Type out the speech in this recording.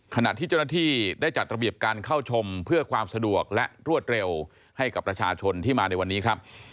ขณะที่เจ้าหน้าที่ได้จัดระเบียบการเข้าชมเพื่อความสะดวกและรวดเร็วให้กับประชาชนที่มาในวันนี้ครับ